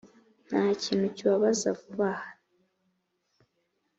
ntakintu kibabaza vuba aha